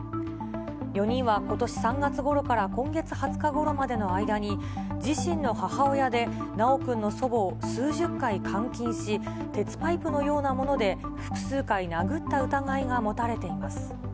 ４人はことし３月ごろから今月２０日ごろまでの間に、自身の母親で修くんの祖母を数十回、監禁し、鉄パイプのようなもので複数回殴った疑いが持たれています。